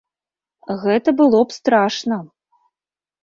Гэта было б страшна!